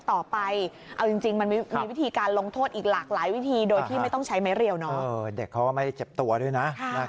ทำโทษอีกหลากหลายวิธีโดยที่ไม่ต้องใช้ไม้เรียวน้อเด็กเขาก็ไม่เจ็บตัวด้วยนะ